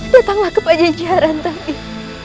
datanglah ke pajajaran pajajaran